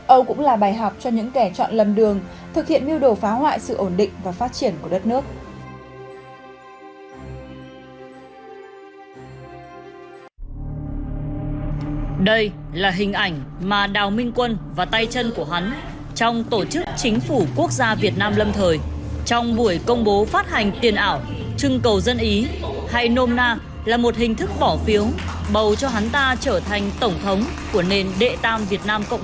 ô cũng là bài học cho những kẻ chọn lầm đường thực hiện mưu đồ phá hoại sự ổn định và phát triển của đất nước